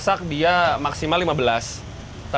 terakhir tortilla dipanggang hingga berwarna kecoklatan